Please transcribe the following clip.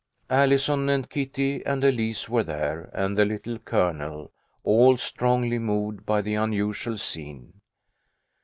Allison and Kitty and Elise were there, and the Little Colonel, all strongly moved by the unusual scene.